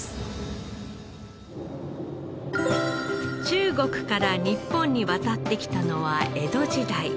中国から日本に渡ってきたのは江戸時代。